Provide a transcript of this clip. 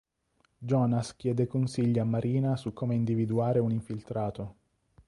Jonas chiede consigli a Marina su come individuare un infiltrato.